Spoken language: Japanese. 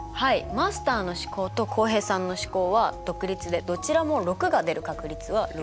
マスターの試行と浩平さんの試行は独立でどちらも６が出る確率は６分の１なんですよ。